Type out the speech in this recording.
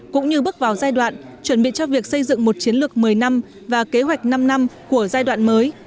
cũng như bước vào giai đoạn chuẩn bị cho việc xây dựng một chiến lược một mươi năm và kế hoạch năm năm của giai đoạn mới